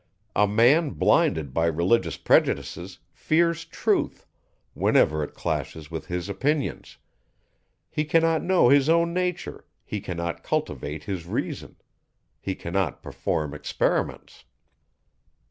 A man blinded by religious prejudices, fears truth, whenever it clashes with his opinions: he cannot know his own nature he cannot cultivate his reason, he cannot perform experiments.